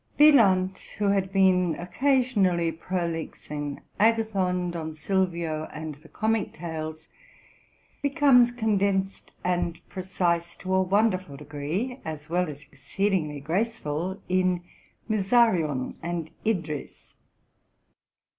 '' Wieland, who had beew occasionally prolix in "* Agathon,'' '* Don Sylvio,"' and the '' Comie Tales,'' be comes condensed and precise to a w onderful degree, as well as exceedingly gr aceful in "' Musarion"' and ' Idris."